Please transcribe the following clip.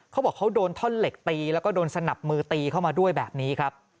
เขาบอกเขาโดนท่อนเหล็กตีแล้วก็โดนสนับมือตีเข้ามาด้วยแบบนี้ครับ